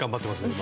今。